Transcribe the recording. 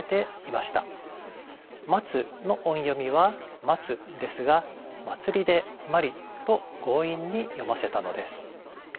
「茉」の音読みは「マツ」ですが「茉莉」で「マリ」と強引に読ませたのです。